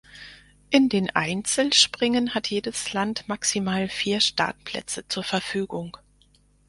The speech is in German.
In den Einzelspringen hat jedes Land maximal vier Startplätze zur Verfügung.